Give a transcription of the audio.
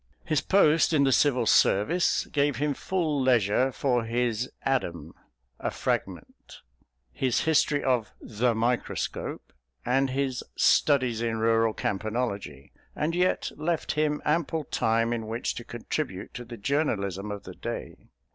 His post in the Civil Service gave him full leisure for his Adam: A Fragment, his History of the Microscope, and his Studies in Rural Campanology, and yet left him ample time in which to contribute to the journalism of the day.